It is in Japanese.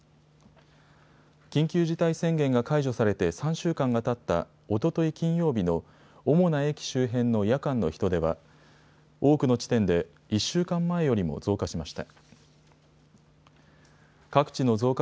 緊急事態宣言が解除されて３週間がたったおととい金曜日の主な駅周辺の夜間の人出は多くの地点で１週間前よりも増加しました。